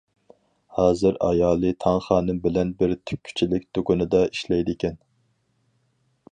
ھازىر ئايالى تاڭ خانىم بىلەن بىر تىككۈچىلىك دۇكىنىدا ئىشلەيدىكەن.